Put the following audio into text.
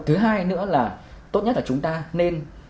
thứ hai nữa là tốt nhất là chúng ta nên